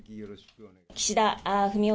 岸田文雄